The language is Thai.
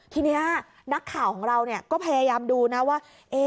ทีนี้นักข่าวของเราก็พยายามดูนะว่า